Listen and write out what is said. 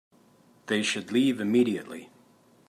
They should leave immediately.